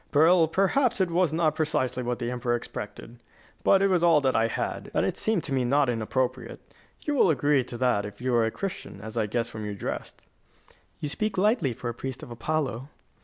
"Well, perhaps it was not precisely what the emperor expected. But it was all that I had, and it seemed to me not inappropriate. You will agree to that if you are a Christian, as I guess from your dress." "You speak lightly for a priest of Apollo."